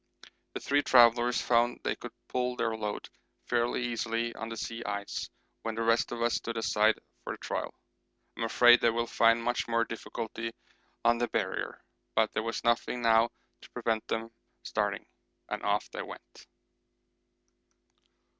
The three travellers found they could pull their load fairly easily on the sea ice when the rest of us stood aside for the trial. I'm afraid they will find much more difficulty on the Barrier, but there was nothing now to prevent them starting, and off they went.